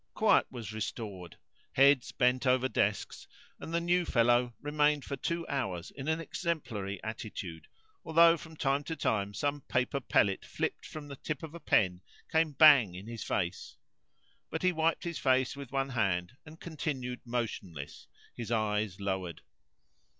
Quiet was restored. Heads bent over desks, and the "new fellow" remained for two hours in an exemplary attitude, although from time to time some paper pellet flipped from the tip of a pen came bang in his face. But he wiped his face with one hand and continued motionless, his eyes lowered.